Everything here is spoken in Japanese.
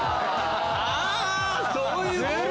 あそういうことか！